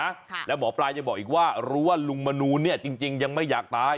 ค่ะแล้วหมอปลายังบอกอีกว่ารู้ว่าลุงมนูนเนี้ยจริงจริงยังไม่อยากตาย